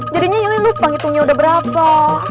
jadinya ini lupa ngitungnya udah berapa